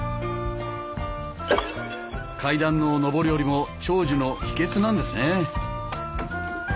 階段の上り下りも長寿の秘訣なんですね。